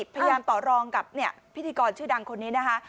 พยายามต่อรองกับพิธีกรชื่อดังคนนี้นะคะ